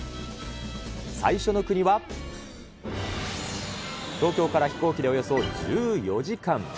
最初の国は、東京から飛行機でおよそ１４時間。